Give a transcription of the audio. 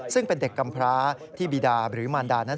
ซึ่งเป็นเด็กกำพร้าที่บีดาหรือมารดานั้น